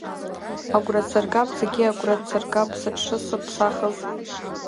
Агәра дсыргап зегьы, агәра дсыргап сыҽшысыԥсахыз!